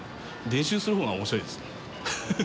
練習する方が面白いですね。